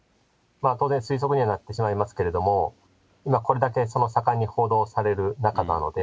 当然、推測にはなってしまいますけれども、これだけ盛んに報道される中なので、